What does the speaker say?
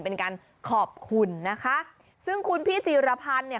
เป็นการขอบคุณนะคะซึ่งคุณพี่จีรพันธ์เนี่ย